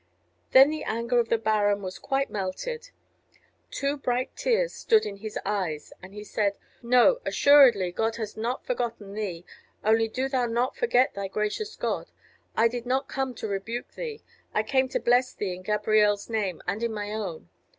Then the anger of the baron was quite melted. Two bright tears stood in his eyes, and he said: "No, assuredly, God has not forgotten thee; only do thou not forget thy gracious God. I did not come to rebuke thee I came to bless thee in Gabrielle's name and in my own.